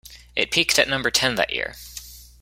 It peaked at number ten that year.